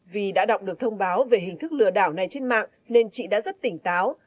vì đã đọc được thông báo về hình thức lừa đảo này trên mạng nên chị đã rất tỉnh táo